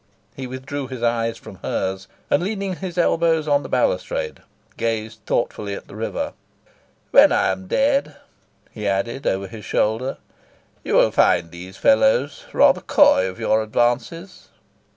He withdrew his eyes from hers, and, leaning his elbows on the balustrade, gazed thoughtfully at the river. "When I am dead," he added, over his shoulder, "you will find these fellows rather coy of your advances."